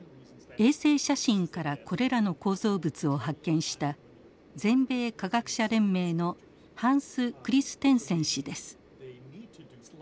衛星写真からこれらの構造物を発見した全米科学者連盟のハンス・クリステンセン氏です。